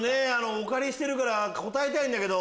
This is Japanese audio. お借りしてるから答えたいんだけど。